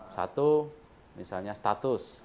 satu misalnya status